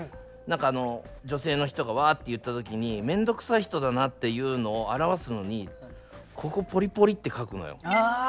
女性の人がわって言った時にめんどくさい人だなっていうのを表すのにここポリポリッてかくのよ。あ！